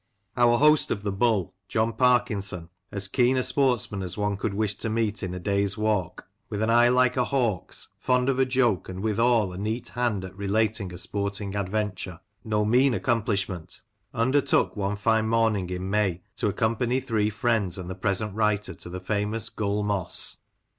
Our host of the " Bull," John Parkinson, as keen a sports man as one could wish to meet in a day's walk, with an eye like a hawk's, fond of a joke, and withal a neat hand at relating a sporting adventure — no mean accomplishment — undertook, one fine morning in May, to accompany three friends and the present writer to the famous Gull Moss.